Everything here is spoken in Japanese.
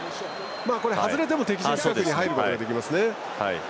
外れても敵陣に入ることができますね。